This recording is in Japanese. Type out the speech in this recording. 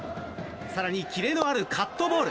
更に、キレのあるカットボール。